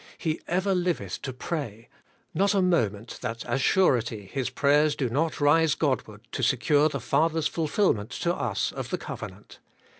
He ever liveth to pray; not a moment that as surety His prayers do not rise Godward to secure the Father's fulfilment to us of the covenant.